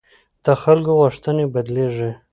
د خلکو غوښتنې بدلېږي